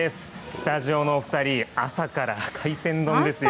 スタジオのお２人、朝から海鮮丼ですよ。